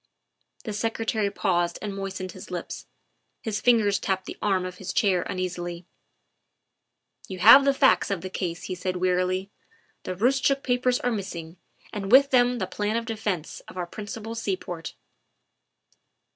'' The Secretary paused and moistened his lips; his fingers tapped the arm of his chair uneasily. " You have the facts of the case," he said wearily; " the Roostchook papers are missing, and with them the plan of defence of our principal seaport."